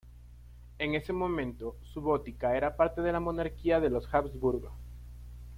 En ese momento, Subotica era parte de la monarquía de los Habsburgo.